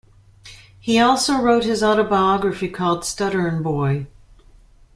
He also wrote his autobiography called "Stutterin' Boy".